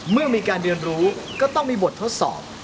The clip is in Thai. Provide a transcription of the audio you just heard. เมื่อมีการเรียนรู้ก็ต้องมีบททดสอบ